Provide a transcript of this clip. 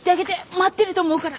待ってると思うから。